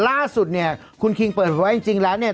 ล่าสุดเนี่ยคุณคิงเปิดว่าจริงแล้วเนี่ย